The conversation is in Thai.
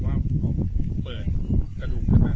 สวัสดีครับคุณผู้ชาย